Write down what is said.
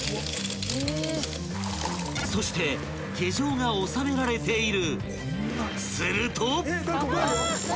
［そして手錠が収められている］